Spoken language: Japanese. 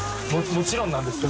もちろんなんですか？